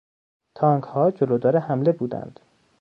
تانکها جلودار حمله بودند.